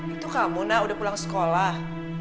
itu kamu nak udah pulang sekolah